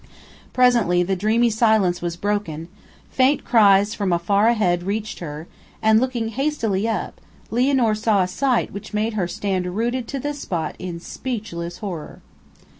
Presently the dreamy silence was broken; faint cries from afar reached her; and looking hastily up, Lianor saw a sight which made her stand rooted to the spot in speechless horror.